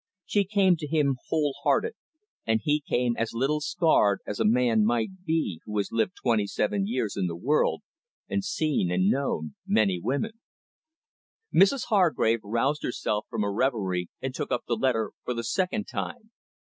She came to him whole hearted, and he came as little scarred as a man might be who has lived twenty seven years in the world, and seen and known many women. Mrs Hargrave roused herself from her reverie, and took up the letter for the second time.